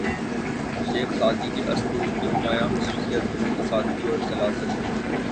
شیخ Saadi کے اسلوب کی نمایاں خصوصیت ان کی سادگی اور سلاست ہے